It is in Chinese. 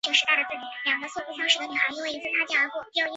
西南莩草为禾本科狗尾草属下的一个种。